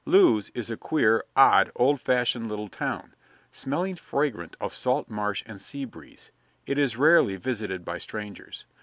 Lewes is a queer, odd, old fashioned little town, smelling fragrant of salt marsh and sea breeze. It is rarely visited by strangers.